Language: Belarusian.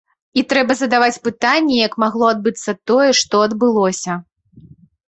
І трэба задаваць пытанні, як магло адбыцца тое, што адбылося.